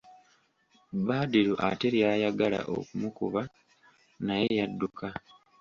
Badru ate ly'ayagala okumukuba naye yadduka.